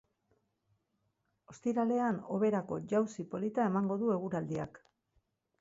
Ostiralean hoberako jauzi polita emango du eguraldiak.